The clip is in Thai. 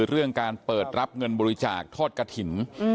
เรื่องการเปิดรับเงินบริจาคทอดกระถิ่น